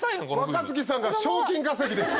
若槻さんが賞金稼ぎです。